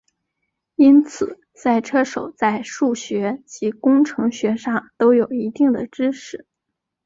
因此赛车手在数学及工程学上都有一定的知识。